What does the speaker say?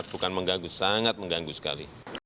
bukan mengganggu sangat mengganggu sekali